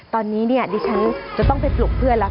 ตอนนี้เนี่ยดิฉันจะต้องไปปลุกเพื่อนแล้ว